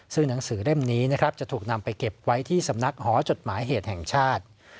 ซึ่งหนังสือเล่มนี้นะครับจะถูกนำไปเก็บไว้ที่สำนักหอจดหมายเหตุแห่งชาติ